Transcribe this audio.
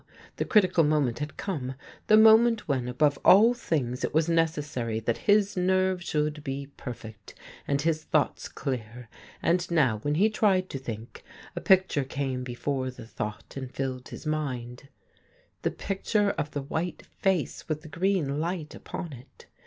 The critical moment had come, the moment when, above all things, it was necessary that his nerve should be perfect and his thoughts clear ; and now, when he tried to think, a picture came before the thought and filled his mind — the pictui'e of the white face with the green light 60 THE GREEN LIGHT upon it.